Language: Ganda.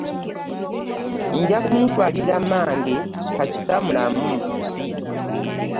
Nja kumutwalira mmange kasita mulamu.